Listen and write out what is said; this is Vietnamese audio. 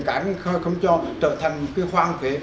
cả anh không cho trở thành cái khoang phế